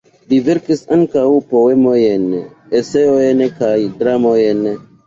Li verkis ankaŭ poemojn, eseojn kaj dramojn.